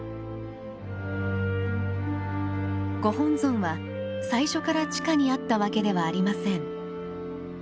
ご本尊は最初から地下にあったわけではありません。